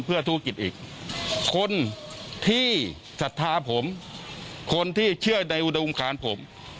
เพื่อธุรกิจอีกคนที่ศรัทธาผมคนที่เชื่อในอุดมการผม